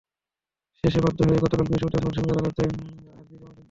শেষে বাধ্য হয়ে গতকাল বৃহস্পতিবার নরসিংদী আদালতে আরজি জমা দেন তিনি।